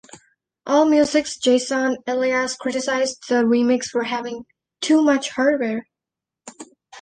Allmusic's Jason Elias criticized the remix for having "too much hardware".